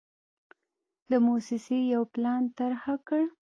د موسسې یو پلان طرحه کړ.